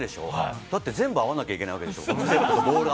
だって全部合わなきゃいけないんでしょ？